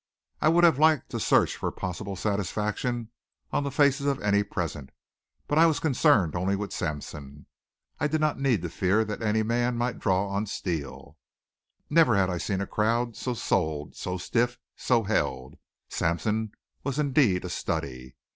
I would have liked to search for possible satisfaction on the faces of any present, but I was concerned only with Sampson. I did not need to fear that any man might draw on Steele. Never had I seen a crowd so sold, so stiff, so held! Sampson was indeed a study.